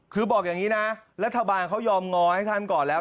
คือบอกอย่างนี้นะรัฐบาลเขายอมงอให้ท่านก่อนแล้ว